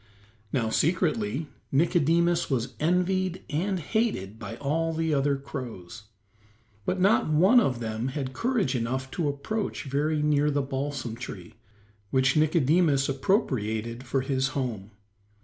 Now, secretly, Nicodemus was envied and hated by all the other crows, but not one of them had courage enough to approach very near the balsam tree, which Nicodemus appropriated for his home.